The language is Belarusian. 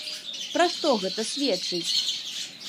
Пра што гэта сведчыць?